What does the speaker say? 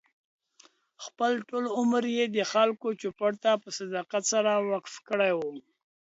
خپل ټول عمر یې د خلکو چوپـړ ته په صداقت سره وقف کړی و.